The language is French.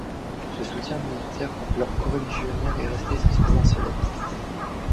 Ce soutien militaire contre leurs coreligionnaire est resté tristement célèbre.